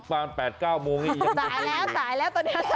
ขอร้องให้เธอ